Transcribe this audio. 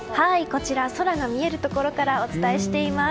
こちら、空の見えるところからお伝えしています。